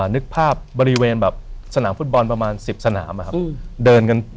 นึกภาพบริเวณแบบสนามฟุตบอลประมาณสิบสนามนะครับ